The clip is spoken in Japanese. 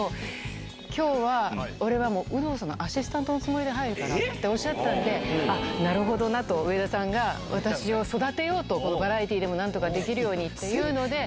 きょうは俺はもう、有働さんのアシスタントのつもりで入るからっておっしゃったんで、あっ、なるほどなと、上田さんが私を育てようと、バラエティーでもなんとかできるようにっていうので。